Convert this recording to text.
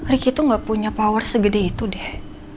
riki tuh gak punya power segede itu deh